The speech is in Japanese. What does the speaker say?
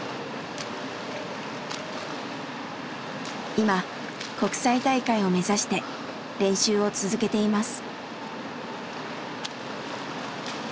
今国際大会を目指して練習を続けています。